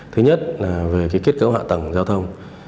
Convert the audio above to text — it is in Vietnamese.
thứ nhất là về kết cấu hạ tầng giao thông